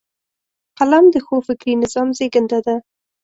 قلم د ښو فکري نظام زیږنده ده